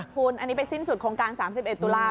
คุณอันนี้ไปสิ้นสุดโครงการ๓๑ตุลาค